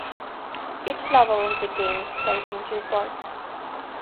Each level of the game is played in two parts.